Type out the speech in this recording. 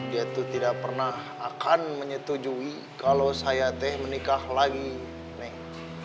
dia tuh tidak pernah akan menyetujui kalau saya teh menikah lagi nek